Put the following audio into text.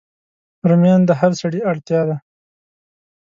رومیان د هر سړی اړتیا ده